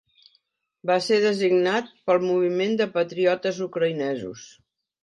Va ser designat pel Moviment de Patriotes Ucraïnesos.